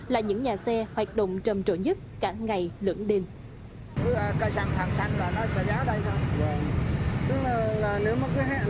là những nhà xe hoạt động trầm trộn nhất cả ngày lưỡng đêm